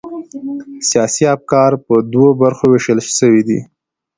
سیاسي افکار پر دوو برخو وېشل سوي دي.